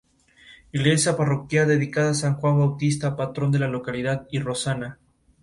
Jugó dos años en el Community College de Lamar.